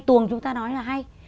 tuồng chúng ta nói là hay